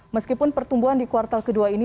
meskipun pertumbuhan di kuartal ke dua ini